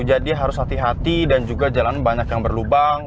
jadi harus hati hati dan juga jalan banyak yang berlubang